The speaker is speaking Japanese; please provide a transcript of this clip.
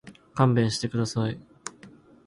勘弁してください。